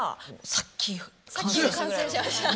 さっき完成しました。